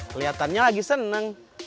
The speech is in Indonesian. keliatannya lagi seneng